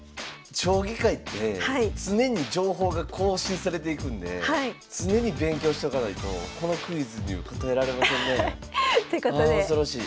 将棋界って常に情報が更新されていくんで常に勉強しとかないとこのクイズには答えられませんねえ。ということであ恐ろしい。